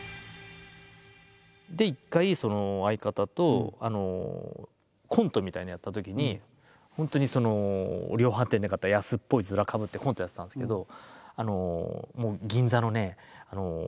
一回相方とコントみたいなのやったときに本当に量販店で買った安っぽいヅラかぶってコントやってたんですけど。